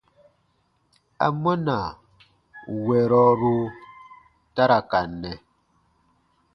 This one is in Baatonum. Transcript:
Amɔna wɛrɔru ta ra ka nɛ?